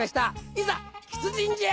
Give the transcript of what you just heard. いざ出陣じゃ！